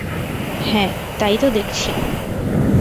হ্যাঁ, তাই তো দেখছি।